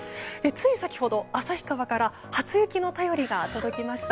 つい先ほど、旭川から初雪の便りが届きました。